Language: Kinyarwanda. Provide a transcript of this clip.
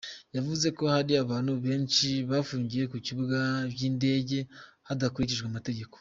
Yavuze ko hari abantu benshi bapfungiwe ku bibuga vy'indege hadakurikijwe amategeko.